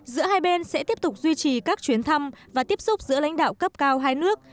giữa hai bên sẽ tiếp tục duy trì các chuyến thăm và tiếp xúc giữa lãnh đạo cấp cao hai nước